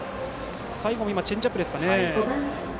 最後、チェンジアップですかね。